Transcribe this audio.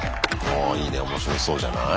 あいいね面白そうじゃない？